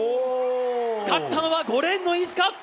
勝ったのは５レーンの飯塚。